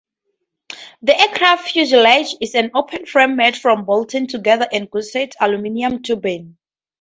The aircraft fuselage is an open frame made from bolted-together and gusseted aluminum tubing.